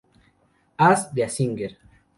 As A Singer